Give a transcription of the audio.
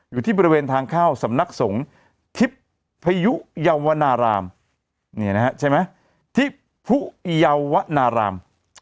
อยู่ที่บริเวณทางเข้าสำนักศรงภภยาวนาราม